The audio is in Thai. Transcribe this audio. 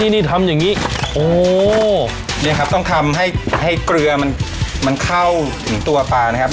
นี่คำต้องทำให้เกลือมันเข้าถึงตัวปลานะครับ